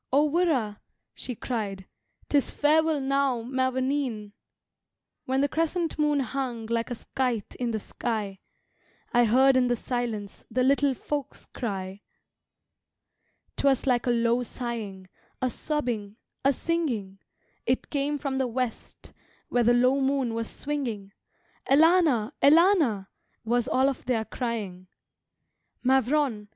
"O wirra" she cried, "'Tis farewell now, mavourneen! When the crescent moon hung Like a scythe in the sky, I heard in the silence The Little Folks cry. "'Twas like a low sighing, A sobbing, a singing; It came from the west, Where the low moon was swinging: 'Elana, Elana' Was all of their crying. Mavrone!